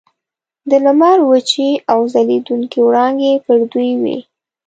د لمر وچې او ځلیدونکي وړانګې پر دوی وې.